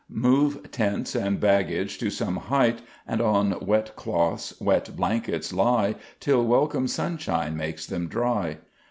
Move tents and baggage to some height, And on wet cloths, wet blankets lie Till welcome sunshine makes them dry.